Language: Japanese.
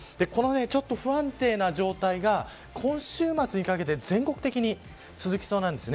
ちょっと不安定な状態が今週末にかけて全国的に続きそうなんです。